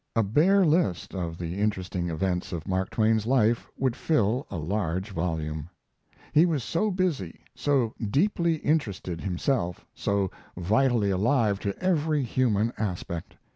A bare list of the interesting events of Mark Twain's life would fill a large volume. He was so busy, so deeply interested himself, so vitally alive to every human aspect.